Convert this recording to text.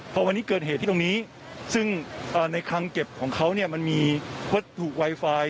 พอวันนี้เกิดเหตุที่ตรงนี้ซึ่งในคลังเก็บของเขาเนี่ยมันมีวัตถุไวไฟ